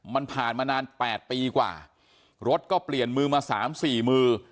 มันผ่านมานาน๘ปีกว่ารถก็เปลี่ยนมือมาสามสี่มือ